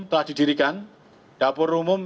telah didirikan dapur umum